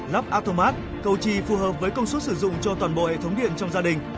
lắp automat câu chi phù hợp với công suất sử dụng cho toàn bộ hệ thống điện trong gia đình